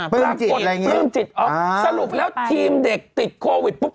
พรุ่งจิตอะไรอย่างนี้อ๋อสรุปแล้วทีมเด็กติดโควิดปุ๊บ